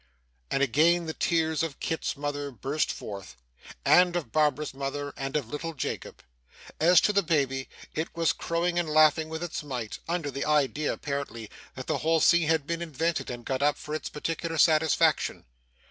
And again the tears of Kit's mother burst forth, and of Barbara's mother, and of little Jacob. As to the baby, it was crowing and laughing with its might under the idea, apparently, that the whole scene had been invented and got up for its particular satisfaction.